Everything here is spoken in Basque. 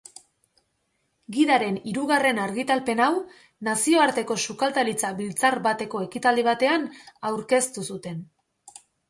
Gidaren hirugarren argitalpen hau nazioarteko sukaldaritza biltzar bateko ekitaldi batean aurkeztu zuten.